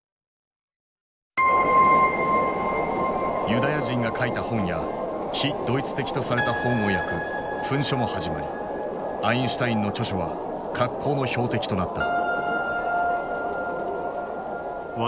ユダヤ人が書いた本や「非ドイツ的」とされた本を焼く焚書も始まりアインシュタインの著書は格好の標的となった。